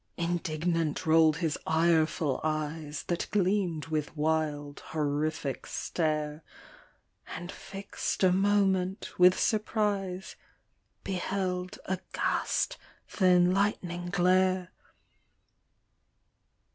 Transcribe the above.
Indignant roll'd his ireful eyes, That gleam'd with wild horrific stare ; And fix'd a moment with surprise, Beheld aghast th' ehlight'hing glare.